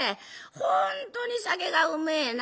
本当に酒がうめえな」。